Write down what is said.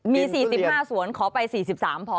มี๔๕สวนขอไป๔๓พอ